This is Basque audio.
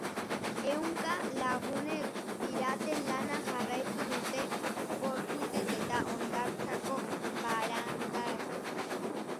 Ehunka lagunek piraten lana jarraitu dute portutik eta hondartzako barandatik.